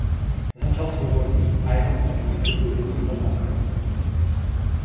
Zemřel svobodný a jeho úmrtím titul vikomta zanikl.